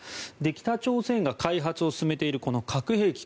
北朝鮮が開発を進めているこの核兵器